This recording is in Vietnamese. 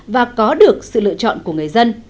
và có được sự lựa chọn của người dân